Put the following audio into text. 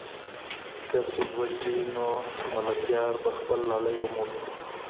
که سیند وچ شي نو ملکیار به خپل لالی ومومي.